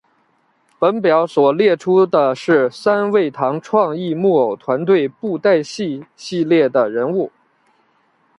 本表所列出的是三昧堂创意木偶团队布袋戏系列的人物。